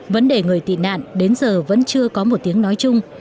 vấn đề người tị nạn đến giờ vẫn chưa có một tiếng nói chung